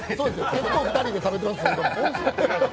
結構２人で食べてますけど。